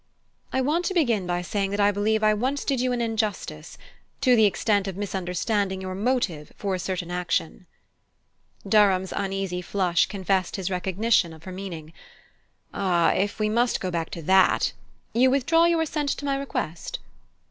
"I want to begin by saying that I believe I once did you an injustice, to the extent of misunderstanding your motive for a certain action." Durham's uneasy flush confessed his recognition of her meaning. "Ah, if we must go back to that " "You withdraw your assent to my request?"